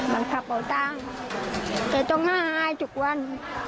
บังกับโปะตางแต่ต้องอาหายถูกหวัน